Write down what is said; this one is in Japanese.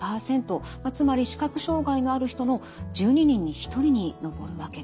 つまり視覚障害のある人の１２人に１人に上るわけです。